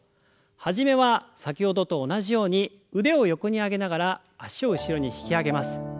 始めは先ほどと同じように腕を横に上げながら脚を後ろに引き上げます。